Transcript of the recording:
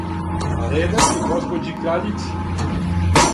А редак је госпођи краљици.